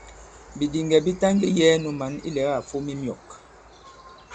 Bìdìŋgɛ̀ bi taŋgē yɛ̄ɛ nu mǎn ilɛ̀gâ à fom i myɔ̂k.